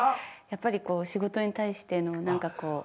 やっぱりこう仕事に対しての何かこう。